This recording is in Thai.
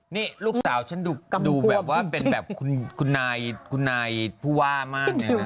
นี่ลูกสาวฉันดูแบบว่าเป็นแบบคุณนายผู้ว่ามากเลยนะ